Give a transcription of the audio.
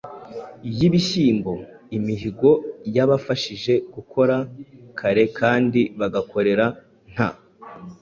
yibishyimbo. Imihigo yabafashije gukora kare kandi bagakorer. Nta